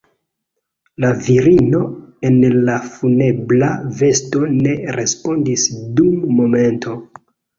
La virino en la funebra vesto ne respondis dum momento.